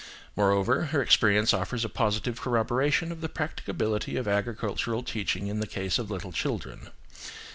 Moreover, her experience offers a positive corroboration of the practicability of agricultural teaching in the case of little children.